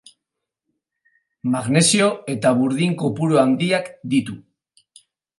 Magnesio eta burdin kopuru handiak ditu.